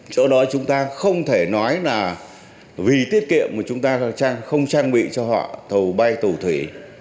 chỗ đó chúng ta không thể nói là vì tiết kiệm mà chúng ta không trang bị cho họ tàu bay tàu thủy